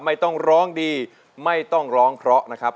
ไม่ต้องร้องดีไม่ต้องร้องเพราะนะครับ